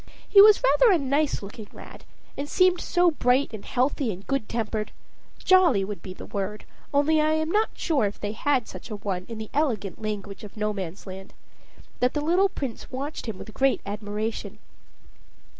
He was rather a nice looking lad; and seemed so bright and healthy and good tempered "jolly" would be the word, only I am not sure if they have such a one in the elegant language of Nomansland that the little Prince watched him with great admiration.